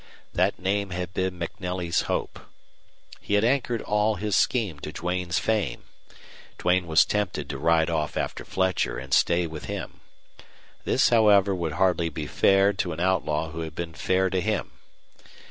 That name had been MacNelly's hope. He had anchored all his scheme to Duane's fame. Duane was tempted to ride off after Fletcher and stay with him. This, however, would hardly be fair to an outlaw who had been fair to him.